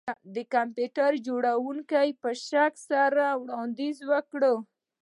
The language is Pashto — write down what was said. د کمپیوټر جوړونکي په شک سره یو وړاندیز وکړ